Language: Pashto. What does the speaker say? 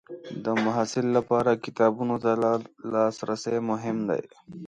د محصل لپاره کتابونو ته لاسرسی مهم دی.